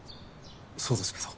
そうですけど。